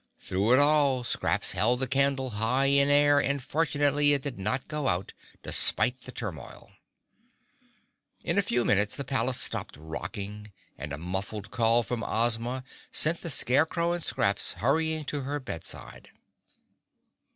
Through it all Scraps held the candle high in air and fortunately it did not go out, despite the turmoil. In a few moments the palace stopped rocking and a muffled call from Ozma sent the Scarecrow and Scraps hurrying to her bedside.